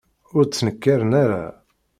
Ur d-ttnekkaren ara.